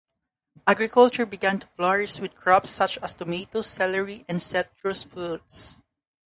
Agriculture began to flourish with crops such as tomatoes, celery, and citrus fruits.